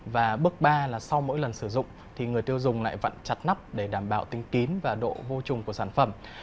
và bước ba là sau mỗi lần sử dụng thì người tiêu dùng lại vẫn chặt nắp để đảm bảo tính kín và độ vô trùng của sản phẩm